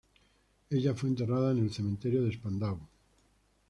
Ella fue enterrada en el Cementerio de Spandau.